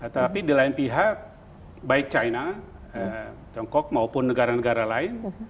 tapi di lain pihak baik china tiongkok maupun negara negara lain